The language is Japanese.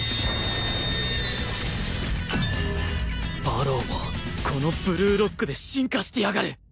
馬狼もこのブルーロックで進化してやがる！